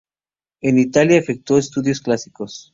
En Italia efectuó estudios clásicos.